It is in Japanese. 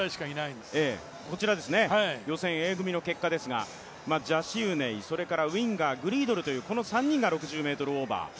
こちら、予選Ａ組の結果ですがジャシウネイ、ウィンガー、グリードルというこの３人が６０ｍオーバー。